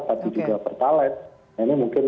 tapi juga pertalite ini mungkin